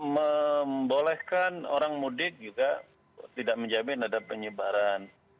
membolehkan orang mudik juga tidak menjamin ada penyebaran